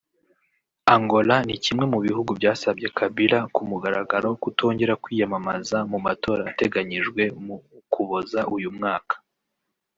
Angola ni kimwe mu bihugu byasabye Kabila ku mugaragaro kutongera kwiyamamaza mu matora ateganyijwe mu Ukuboza uyu mwaka